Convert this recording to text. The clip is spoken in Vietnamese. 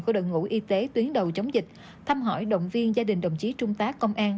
của đội ngũ y tế tuyến đầu chống dịch thăm hỏi động viên gia đình đồng chí trung tá công an